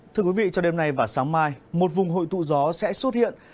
thưa quý vị cho đêm nay và sáng mai một vùng hội tụ gió sẽ xuất hiện